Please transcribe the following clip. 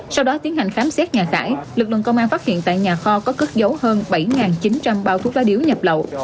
sau đó tiến hành khám xét nhà tải lực lượng công an phát hiện tại nhà kho có cất dấu hơn bảy chín trăm linh bao thuốc lá điếu nhập lậu